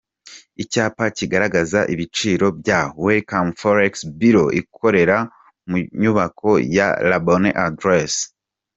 Icyapa kigaragaza ibiciro bya Welcome forex bureau ikorera mu nyubako ya la bonne adresse.